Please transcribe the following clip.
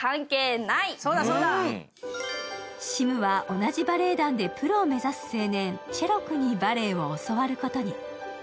シムは同じバレエ団でプロを目指す青年、チェロクにバレエを教わることに。